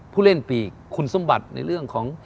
ผู้เล่นปีกคุณสมบัติในเรื่องของ